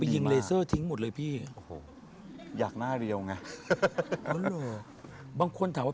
แต่เขาตัดได้มั้ยอันนี้อย่างนี้อย่างนี้อย่างนี้